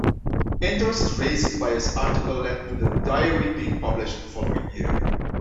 Interest raised by his article led to the diary being published the following year.